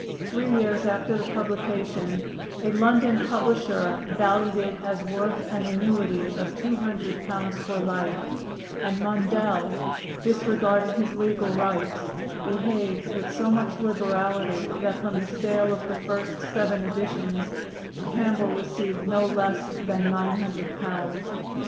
Three years after the publication, a London publisher valued it as worth an annuity of two hundred pounds for life; and Mundell, disregarding his legal rights, behaved with so much liberality that from the sale of the first seven editions Campbell received no less than nine hundred pounds.